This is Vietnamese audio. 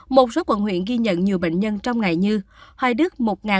một số quận huyện ghi nhận nhiều bệnh nhân trong ngày như hoài đức một bảy trăm bảy mươi một